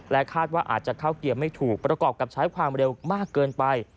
คาดว่าอาจจะเข้าเกียร์ไม่ถูกประกอบกับใช้ความเร็วมากเกินไป